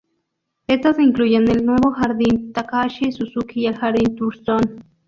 Estos incluyen el nuevo Jardín Takashi Suzuki y el Jardín Thurston.